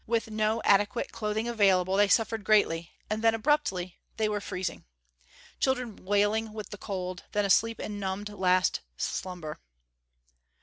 With no adequate clothing available they suffered greatly and then abruptly they were freezing. Children wailing with the cold; then asleep in numbed, last slumber....